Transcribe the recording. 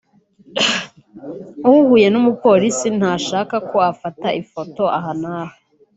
uhuye n’umupolisi ntashaka ko ufata ifoto aha n’aha